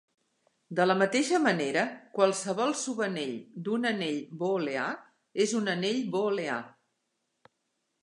De la mateixa manera, qualsevol subanell d'un anell booleà és un anell booleà.